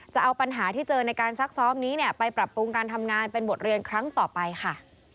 จะเอาปัญหาที่เจอในการซักซ้อมนี้เนี่ยไปปรับปรุงการทำงานเป็นบทเรียนครั้งต่อไปค่ะ